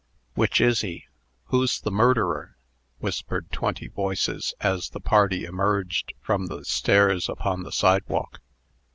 "Which is he?" "Who's the murderer?" whispered twenty voices, as the party emerged from the stairs upon the sidewalk.